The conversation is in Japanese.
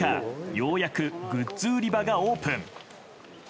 ようやくグッズ売り場がオープン。